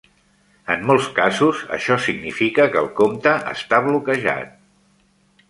En molts casos, això significa que el compte esta bloquejat.